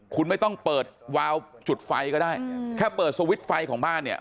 คุณไม่ต้องเปิดวาวจุดไฟก็ได้แค่เปิดสวิตช์ไฟของบ้านเนี่ย